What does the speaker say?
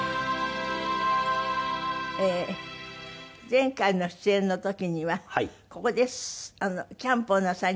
前回の出演の時にはここでキャンプをなさりながら床に座った